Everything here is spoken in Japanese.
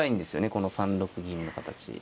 この３六銀の形。